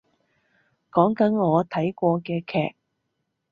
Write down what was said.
講緊我睇過嘅劇